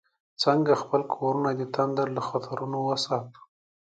څنګه خپل کورونه د تندر له خطرونو وساتو؟